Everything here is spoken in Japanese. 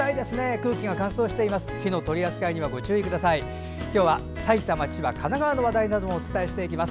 空気が乾燥しています。